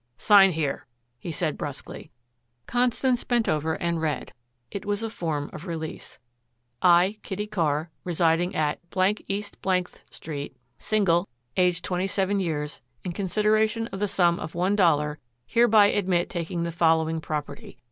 "Sign here," he said brusquely. Constance bent over and read. It was a form of release: "I, Kitty Carr, residing at East th Street, single, age twenty seven years, in consideration of the sum of One Dollar, hereby admit taking the following property...